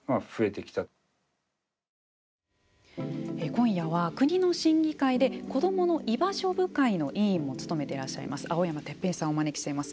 今夜は国の審議会でこどもの居場所部会の委員を務めていらっしゃいます青山鉄兵さんをお招きしています。